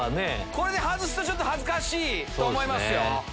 これで外すと恥ずかしいと思います。